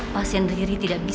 pasien riri tidak bisa